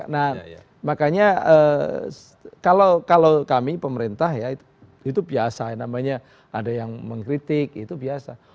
nah makanya kalau kami pemerintah ya itu biasa ya namanya ada yang mengkritik itu biasa